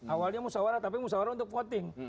awalnya musawarah tapi musawarah untuk voting